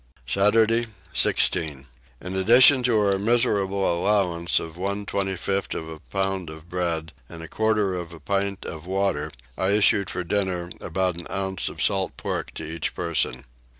Saturday 16. In addition to our miserable allowance of one 25th of a pound of bread and a quarter of a pint of water I issued for dinner about an ounce of salt pork to each person.